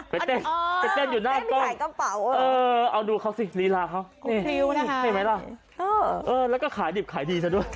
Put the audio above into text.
เต้นไปเต้นอยู่หน้ากล้องเอาดูเขาสิลีลาเขาเห็นไหมล่ะแล้วก็ขายดิบขายดีซะด้วย